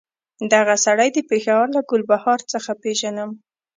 دغه سړی د پېښور له ګلبهار څخه پېژنم.